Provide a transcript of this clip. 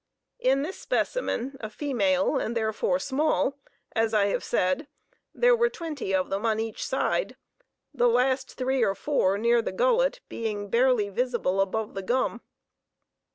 In this specimen, a female, and therefore small, as I have said, there were twenty of them on each side, the last three or four near the gullet being barely visible above the gum.